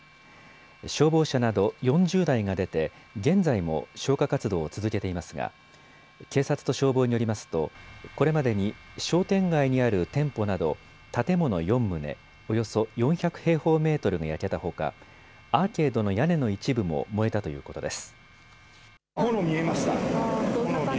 消防車など４０台が出て現在も消火活動を続けていますが警察と消防によりますとこれまでに商店街にある店舗など建物４棟、およそ４００平方メートルが焼けたほかアーケードの屋根の一部も燃えたということです。